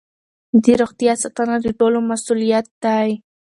د روغتیا ساتنه د ټولو مسؤلیت دی.